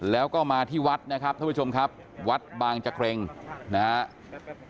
แล้วก็มาที่วัดนะครับท่านผู้ชมครับวัดบางจักรงนะครับ